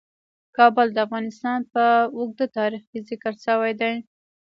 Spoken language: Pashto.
کابل د افغانستان په اوږده تاریخ کې ذکر شوی دی.